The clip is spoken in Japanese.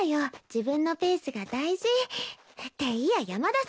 自分のペースが大事。っていや山田さん